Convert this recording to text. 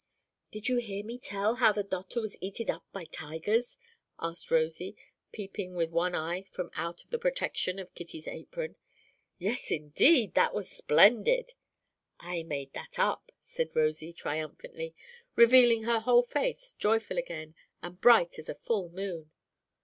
"Did you hear me tell how the dottor was eated up by tigers?" asked Rosy, peeping with one eye from out of the protection of Kitty's apron. "Yes, indeed. That was splendid." "I made that up!" said Rosy, triumphantly revealing her whole face, joyful again, and bright as a full moon.